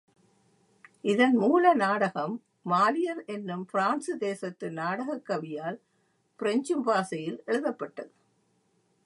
இதன் மூல நாடகம், மாலியர் என்னும் பிரான்சு தேசத்து நாடகக் கவியால் பிரெஞ்சு பாஷையில் எழுதப்பட்டது.